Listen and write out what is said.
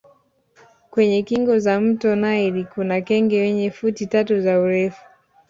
Kwenye kingo za mto naili kuna kenge wenye futi tatu za urefu